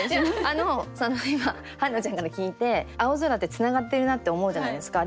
あの今ハンナちゃんから聞いて青空で繋がってるなって思うじゃないですか。